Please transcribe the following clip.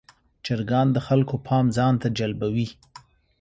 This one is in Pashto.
چرګان د خلکو پام ځان ته جلبوي.